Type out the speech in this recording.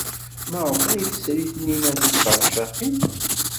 Maɣef ay tesri Taninna tiṭercaqin?